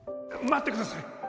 待ってください！